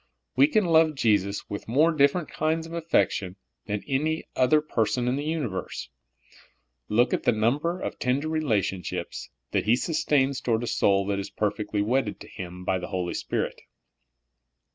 We can love Jesus with more different kinds of af fection than any other person in the universe. Look at the number of tender relationships that He sustains toward a soul that is perfecth' wedded to Him by the Holy Spirit.